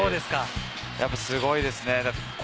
やっぱりすごいですね。